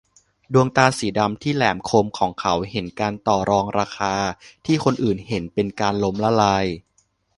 ดวงตาสีดำที่แหลมคมของเขาเห็นการต่อรองราคาที่คนอื่นเห็นเป็นการล้มละลาย